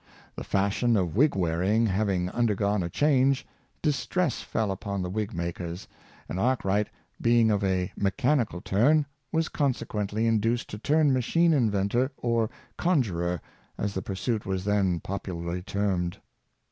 The fashion of wig wearing having undergone a 14 210 Rich ard A rkwrzght^ Inventor, change, distress fell upon the wig makers, and Ark Wright, being of a mechanical turn, was consequently induced to turn machine inventor or " conjurer," as the pursuit was then popularly termed.